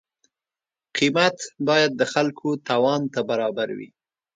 قیمت باید د خلکو توان ته برابر وي.